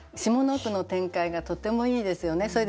下の句の展開がとてもいいですよね。